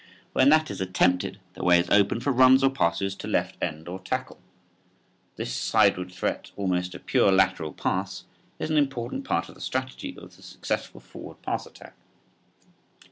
When that is attempted the way is open for runs or passes to left end or tackle. This sideward threat, almost a pure lateral pass, is an important part of the strategy of the successful forward pass attack.